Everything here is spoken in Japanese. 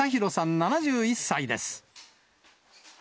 ７１歳です。